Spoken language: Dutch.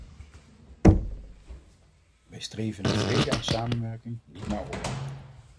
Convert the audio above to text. Wij streven naar vrede en samenwerking - niet naar oorlog.